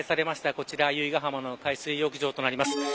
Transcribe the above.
こちら由比ガ浜の海水浴場です。